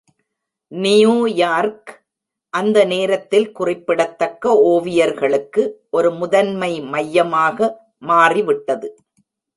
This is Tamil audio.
நியூயார்க் அந்த நேரத்தில் குறிப்பிடத்தக்க ஓவியர்களுக்கு ஒரு முதன்மை மையமாக மாறிவிட்டது.